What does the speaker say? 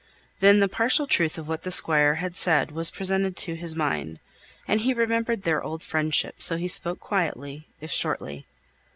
Then the partial truth of what the Squire said was presented to his mind, and he remembered their old friendship, so he spoke quietly, if shortly.